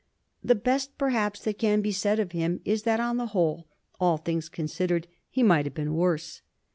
The best, perhaps, that can be said of him is that, on the whole, all things considered, he might have been worse.